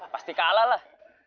pasti kalah lah